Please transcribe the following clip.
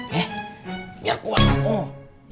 nih biar kuat bang